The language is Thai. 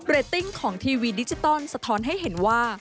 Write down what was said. ตติ้งของทีวีดิจิตอลสะท้อนให้เห็นว่า